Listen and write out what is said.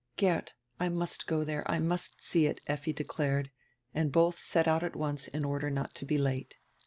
"Geert, I must go diere, I must see it," Effi declared, and both set out at once in order not to be too late.